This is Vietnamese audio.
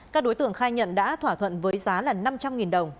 các đối tượng khai nhận đã thỏa thuận với giá là năm trăm linh đồng